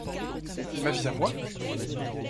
Ma vie à moi ?